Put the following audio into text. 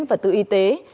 và tự y tế